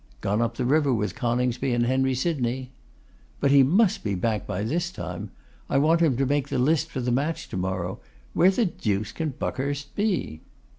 'Gone up the river with Coningsby and Henry Sydney.' 'But he must be back by this time. I want him to make the list for the match to morrow. Where the deuce can Buckhurst be?